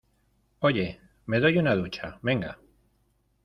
oye, me doy una ducha. venga .